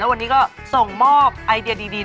วันนี้ก็ส่งมอบไอเดียดี